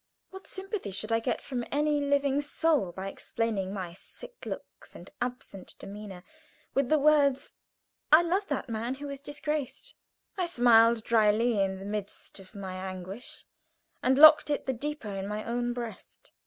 What sympathy should I get from any living soul by explaining my sick looks and absent demeanor with the words, "I love that man who is disgraced?" I smiled dryly in the midst of my anguish, and locked it the deeper in my own breast.